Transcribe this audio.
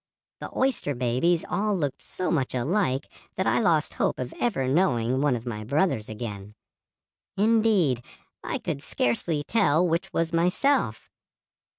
The oyster babies all looked so much alike that I lost hope of ever knowing one of my brothers again. Indeed, I could scarcely tell which was myself.